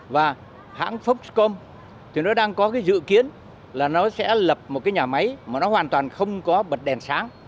và hãng foxcom thì nó đang có cái dự kiến là nó sẽ lập một cái nhà máy mà nó hoàn toàn không có bật đèn sáng